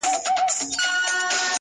نه خاطر گوري د وروڼو نه خپلوانو،